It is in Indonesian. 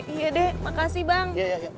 iya deh makasih bang